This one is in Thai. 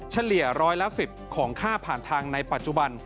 เฉลี่ยร้อยละ๑๐ของค่าผ่านทางในปัจจุบัน